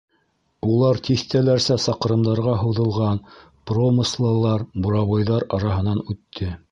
Улар тиҫтәләрсә саҡрымдарға һуҙылған промыслалар, буровойҙар араһынан үтте.